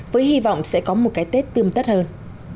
với hy vọng sẽ có một cái tết tươm tất hơn